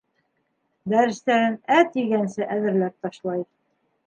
Дәрестәрен «ә» тигәнсе әҙерләп ташлай.